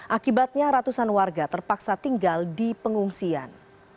akibatnya ratusan warga terpaksa tinggal di pengungsian